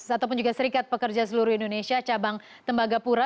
ataupun juga serikat pekerja seluruh indonesia cabang tembagapura